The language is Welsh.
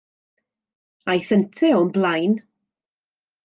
Aeth yntau o'm blaen.